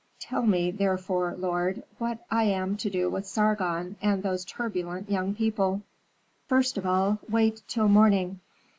Tell me, therefore, lord, what I am to do with Sargon and those turbulent young people." "First of all, wait till morning.